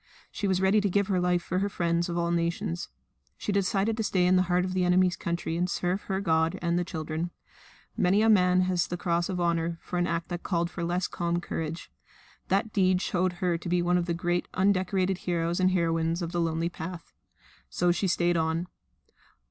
She was ready to give her life for her friends of all nations. She decided to stay in the heart of the enemies' country and serve her God and the children. Many a man has had the cross of Honour for an act that called for less calm courage. That deed showed her to be one of the great undecorated heroes and heroines of the lonely path. So she stayed on.